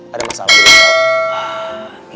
ada masalah gue